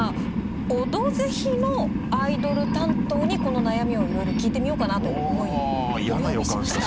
「オドぜひ」のアイドル担当にこの悩みをいろいろ聞いてみようかなと思いお呼びしました。